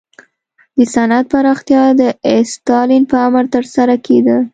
د صنعت پراختیا د ستالین په امر ترسره کېده